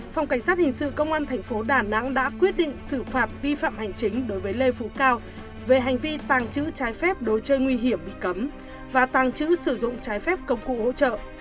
phòng cảnh sát hình sự công an thành phố đà nẵng đã quyết định xử phạt vi phạm hành chính đối với lê phú cao về hành vi tàng trữ trái phép đối chơi nguy hiểm bị cấm và tàng trữ sử dụng trái phép công cụ hỗ trợ